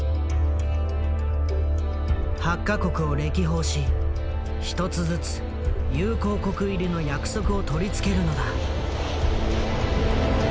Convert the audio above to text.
８か国を歴訪し１つずつ友好国入りの約束を取り付けるのだ。